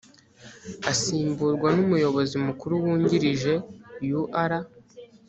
asimburwa n umuyobozi mukuru wungirije ur